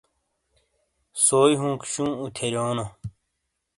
سوئی ہُونک شُوں اُتھیاریونو۔